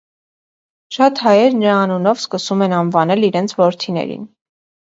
Շատ հայեր նրա անունով սկսում են անվանել իրենց որդիներին։